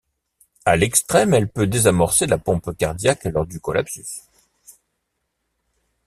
À l'extrême, elle peut désamorcer la pompe cardiaque lors du collapsus.